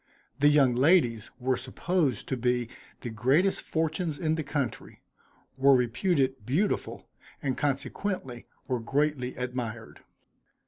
The young ladies were supposed to be the greatest fortunes in the country, were reputed beautiful, and consequently were greatly admired.